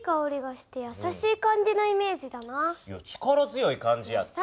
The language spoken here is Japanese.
いや力強い感じやって。